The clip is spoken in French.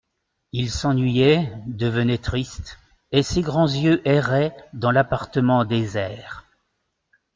Il s'ennuyait, devenait triste, et ses grands yeux erraient dans l'appartement désert.